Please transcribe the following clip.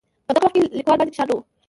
په دغه وخت کې لیکوال باندې فشار نه وي.